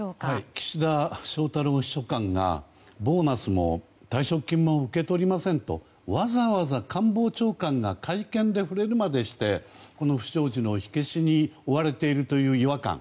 岸田翔太郎秘書官がボーナスも退職金も受け取りませんとわざわざ官房長官が会見で触れるまでしてこの不祥事の火消しに追われているという違和感。